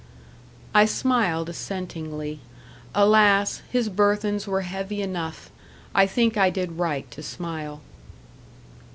I smiled assentingly. Alas! his burthens were heavy enough! I think I did right to smile.